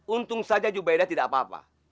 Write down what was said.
untung saja jubaidah ⁇ tidak apa apa